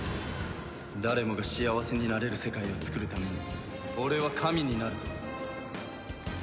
誰もが幸せになれる世界をつくるために俺は神になると。